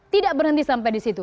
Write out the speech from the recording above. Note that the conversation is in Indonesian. tidak berhenti sampai di situ